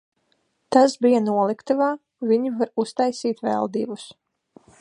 Tas bija noliktavā, viņi var uztaisīt vēl divus.